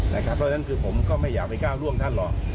เพราะฉะนั้นคือผมก็ไม่อยากไปก้าวร่วงท่านหรอก